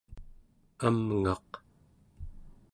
amngaq